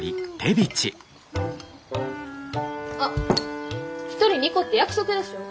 あっ１人２個って約束でしょ。